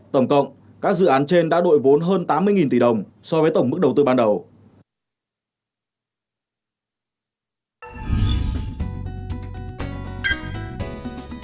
tổng cộng các dự án trên đã đội vốn hơn tám mươi tỷ đồng so với tổng mức đầu tư ban đầu